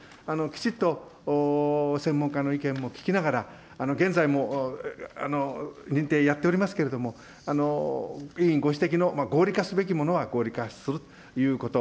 きちっと専門家の意見も聞きながら、現在も認定やっておりますけれども、委員ご指摘の合理化すべきものは合理化するということ。